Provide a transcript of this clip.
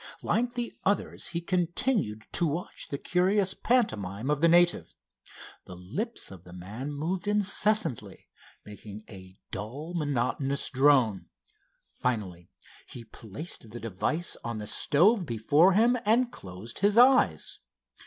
Like the others he continued to watch the curious pantomime of the native. The lips of the man moved incessantly, making a dull monotonous drone. Finally he placed the device on the stove before him and closed his eyes.